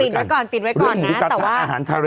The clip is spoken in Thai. ติดไว้ก่อนนะแต่ว่าเรื่องหมูกระทะอาหารทะเล